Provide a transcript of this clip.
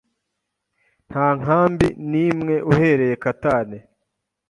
nta nkambi n’imwe uhereye Katale,